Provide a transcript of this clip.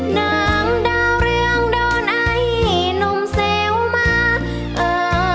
นางดาวเรืองโดนไอ้นมเซวมา